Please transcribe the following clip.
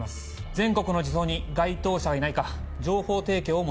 全国の児相に該当者がいないか情報提供を求めます。